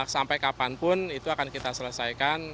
sampai kapanpun itu akan kita selesaikan